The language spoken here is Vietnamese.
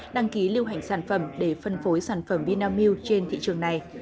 đăng ký lưu hành sản phẩm để phân phối sản phẩm vinamilk trên thị trường này